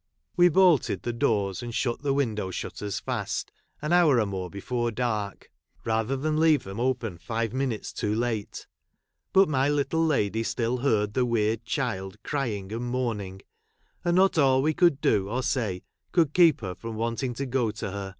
We bolted the doors. CharkaDwken,.] THE OLD NUKSE'S STORY. 19 and shut the window shutters fast, an liour or more before dark, I'atlier than leave them 1 open five minutes too late. But my little [ lady still heai'd the weird child eryiug and ' mourning ; and not all we could do or say, could keep her from wanting to go to her